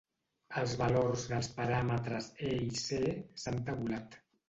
Els valors dels paràmetres "E" i "C" s'han tabulat.